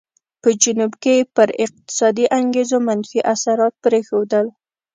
په جنوب کې یې پر اقتصادي انګېزو منفي اثرات پرېښودل.